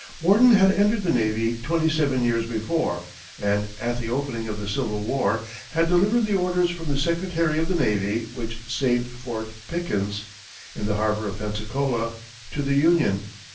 Worden had entered the navy twenty seven years before, and at the opening of the Civil War, had delivered the orders from the secretary of the navy which saved Fort Pickens, in the harbor of Pensacola, to the Union.